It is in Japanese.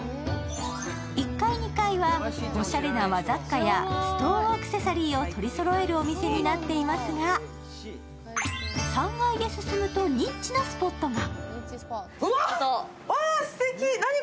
１階、２階はおしゃれな和雑貨やストーンアクセサリーを取りそろえるお店になっていますが３階へ進むとニッチなスポットが。